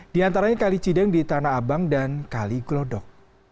di antaranya kali cideng di tanah abang dan kali glodok